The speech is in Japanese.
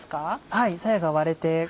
はいさやが割れて。